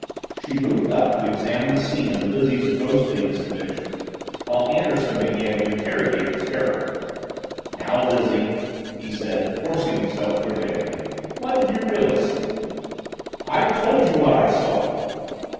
She moved up to examine the scene of Lizzie's ghostly misadventure, while Anderson began to interrogate its heroine. "Now, Lizzie," he said, forcing himself to urbanity, "what did you really see?" "I told you what I saw."